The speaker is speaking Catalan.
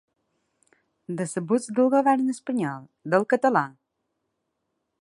Decebuts del govern espanyol, del català?